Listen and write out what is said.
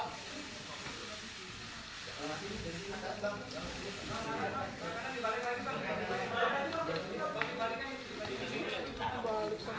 beberapa tahun lama udah prowadit barang buktinya